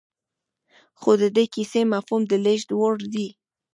خو د دې کيسې مفهوم د لېږد وړ دی.